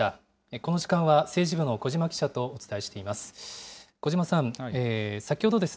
この時間は、政治部の小嶋記者とお伝えしています。